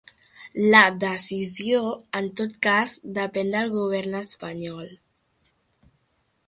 La decisió, en tot cas, depèn del govern espanyol.